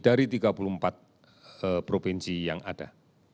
dari tiga puluh empat provinsi yang ada